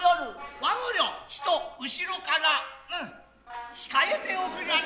和御寮ちと後から控えておくりやれ。